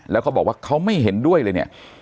แล้วเขาบอกว่าเขาไม่เห็นด้วยเลยเนี่ย